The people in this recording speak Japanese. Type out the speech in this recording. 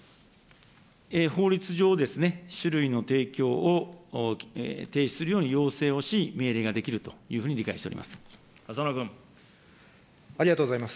法律上、酒類の提供を停止するように要請をし、命令ができるというふうに浅野君。ありがとうございます。